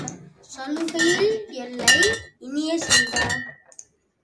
சலுகையின் எல்லை இனிய செல்வ!